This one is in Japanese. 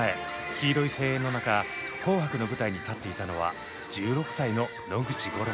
黄色い声援の中「紅白」の舞台に立っていたのは１６歳の野口五郎。